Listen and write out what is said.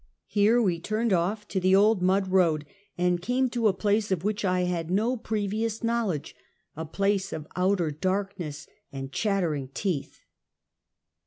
Here we turned off to the old mud road, and came to a place of which I had no pre vious knowledge — a place of outer darkness and chat tering teeth.